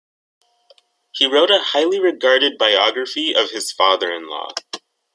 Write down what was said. He wrote a highly regarded biography of his father-in-law.